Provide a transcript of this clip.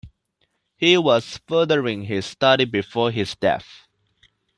He was furthering his study before his death.